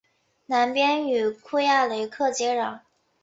南边与库雅雷克接壤。